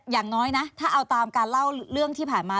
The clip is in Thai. อย่างน้อยนะถ้าเอาตามการเล่าเรื่องที่ผ่านมา